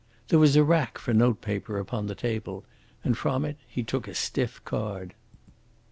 There was a rack for note paper upon the table, and from it he took a stiff card.